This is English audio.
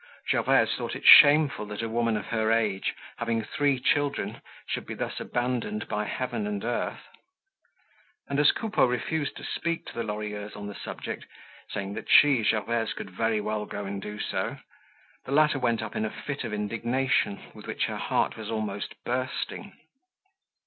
Gervaise thought it shameful that a woman of her age, having three children should be thus abandoned by heaven and earth. And as Coupeau refused to speak to the Lorilleuxs on the subject saying that she, Gervaise, could very well go and do so, the latter went up in a fit of indignation with which her heart was almost bursting.